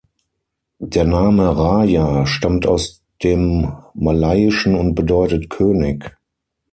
Der Name „rajah“ stammt aus dem malayischen und bedeutet „König“.